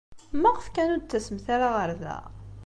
Maɣef kan ur d-tettasemt ara ɣer da?